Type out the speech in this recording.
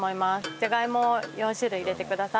じゃがいもを４種類入れてください。